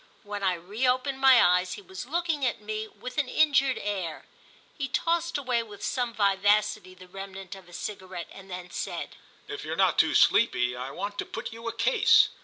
When I reopened my eyes he was looking at me with an injured air. He tossed away with some vivacity the remnant of a cigarette and then said: "If you're not too sleepy I want to put you a case."